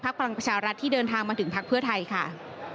พลังประชารัฐที่เดินทางมาถึงพักเพื่อไทยค่ะ